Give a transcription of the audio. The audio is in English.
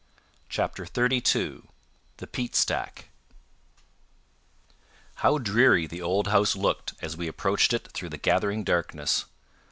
CHAPTER XXXII The Peat Stack How dreary the old house looked as we approached it through the gathering darkness!